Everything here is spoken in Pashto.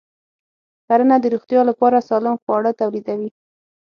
کرنه د روغتیا لپاره سالم خواړه تولیدوي.